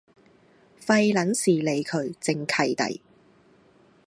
廢撚事理佢，正契弟